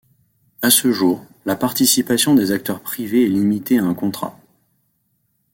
À ce jour, la participation des acteurs privés est limitée à un contrat.